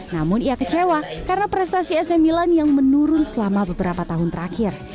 namun ia kecewa karena prestasi ac milan yang menurun selama beberapa tahun terakhir